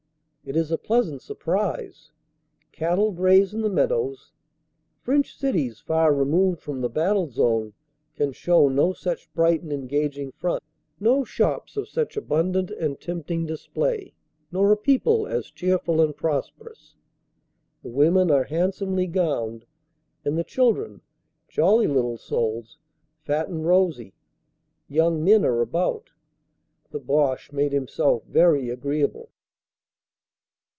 It is a pleasant surprise. Cattle graze in the meadows. French cities far removed from the battle zone can show no such bright and engaging front, no shops of such abundant and tempting display, nor a people as cheerful and prosperous. The women THE MONS ROAD 395 are handsomely gowned, and the children, jolly little souls, fat and rosy. Young men are about. The Boche made him self very agreeable.